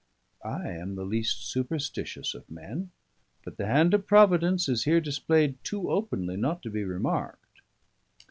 I am the least superstitious of men; but the hand of Providence is here displayed too openly not to be remarked.